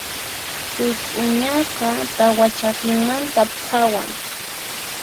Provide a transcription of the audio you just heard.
Wik'uñaqa tawa chakimanta phawan.